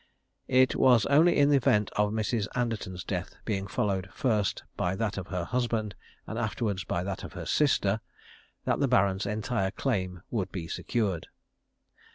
It was only in the event of Mrs. Anderton's death being followed first by that of her husband, and afterwards by that of her sister, that the Baron's entire claim would be secured.